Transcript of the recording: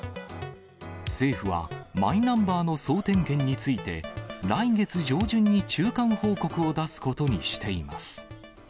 政府はマイナンバーの総点検について、来月上旬に中間報告を出すことにしています。